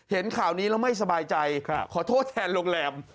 เห็นข่าวนี้แล้วไม่สบายใจขอโทษแทนโรงแรม